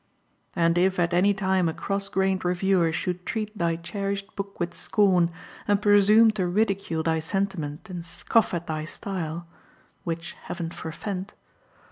_ _And if at any time a cross grained reviewer should treat thy cherished book with scorn, and presume to ridicule thy sentiment and scoff at thy style (which Heaven forfend!)